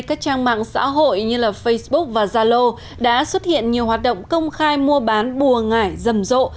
các trang mạng xã hội như facebook và zalo đã xuất hiện nhiều hoạt động công khai mua bán bùa ngải rầm rộ